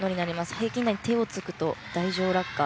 平均台に手をつくと台上落下。